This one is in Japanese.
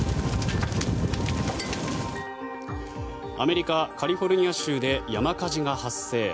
アメリカ・カリフォルニア州で山火事が発生。